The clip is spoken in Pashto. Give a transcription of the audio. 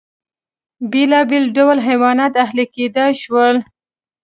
بېلابېل ډول حیوانات اهلي کېدای شول.